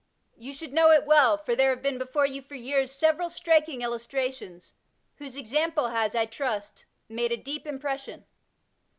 You should know it well, for there have been before you for years several striking illustrations, whose example has, I trust, made a deep impression.